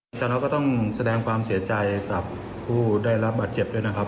อาจารย์เราก็ต้องแสดงความเสียใจกับผู้ได้รับบาดเจ็บด้วยนะครับ